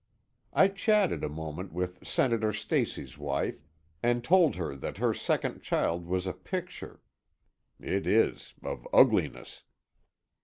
I chatted a moment with Senator Stacy's wife, and told her that her second child was a picture (it is of ugliness).